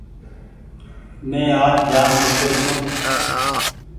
مين آج جآم سوچيو ڇون ۔